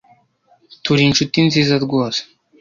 Turi inshuti nziza rwose